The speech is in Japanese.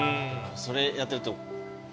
それやってると。